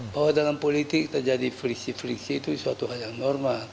bahwa dalam politik terjadi friksi friksi itu suatu hal yang normal